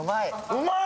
うまい！